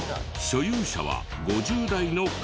所有者は５０代の会社員。